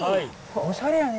おしゃれやね。